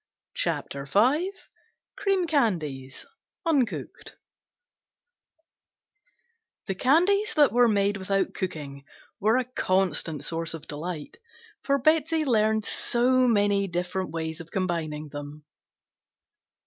CHAPTER V CREAM CANDIES UNCOOKED THE candies that were made without cooking were a constant source of delight, for Betsey learned so many different ways of combining them.